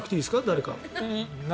誰か。